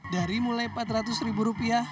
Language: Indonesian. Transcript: dari mulai rp empat ratus